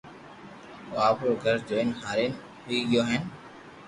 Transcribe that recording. او آپرو گھر جوئين ھآرين ھوئي گيو ھين